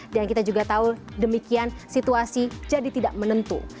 dan kita juga tahu demikian situasi jadi tidak menentu